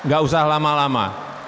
gak usah lama lama